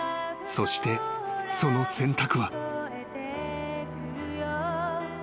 ［そしてその選択は］